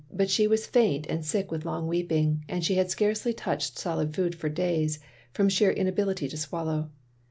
But she was faint and sick with long weeping, and she had scarcely touched solid food for days, from sheer inability to swallow.